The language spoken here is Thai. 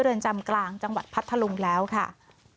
คุณผู้สายรุ่งมโสผีอายุ๔๒ปี